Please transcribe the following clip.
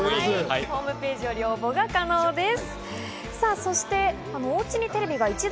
ホームページより応募が可能です。